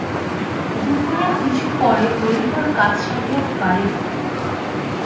দুপুরের কিছু পরে হরিহর কাজ সারিয়া বাড়ি ফিরিল।